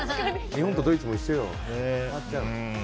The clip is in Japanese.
日本とドイツも一緒よ。